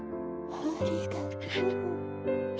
ありがとう。